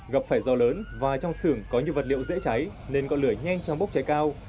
gặp phải do lớn và trong sườn có nhiều vật liệu dễ cháy nên có lửa nhanh trong bốc cháy cao